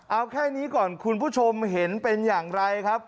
เอาแค่นี้ก่อนคุณผู้ชมเห็นเป็นอย่างไรครับ